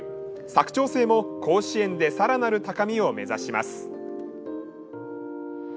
佐久長聖も甲子園でさらなる高みを目指します。